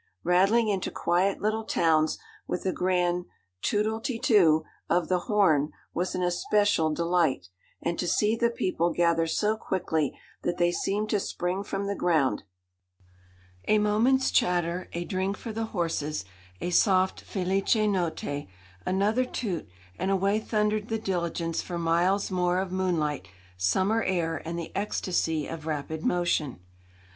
Rattling into quiet little towns with a grand 'tootle te too' of the horn was an especial delight, and to see the people gather so quickly that they seemed to spring from the ground. A moment's chatter, a drink for the horses, a soft 'Felice notte,' another toot, and away thundered the diligence for miles more of moonlight, summer air, and the ecstasy of rapid motion.